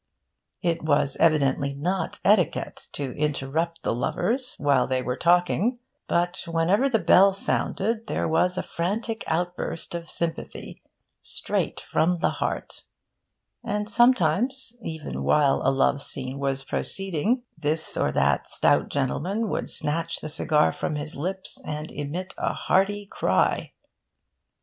It was evidently not etiquette to interrupt the lovers while they were talking; but, whenever the bell sounded, there was a frantic outburst of sympathy, straight from the heart; and sometimes, even while a love scene was proceeding, this or that stout gentleman would snatch the cigar from his lips and emit a heart cry.